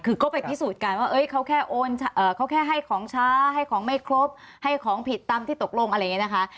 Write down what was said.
คือก็ไปพิสูจน์กันว่าเขาแค่โอนเขาแค่ให้ของช้าให้ของไม่ครบให้ของผิดตามที่ตกลงอะไรอย่างนี้นะคะ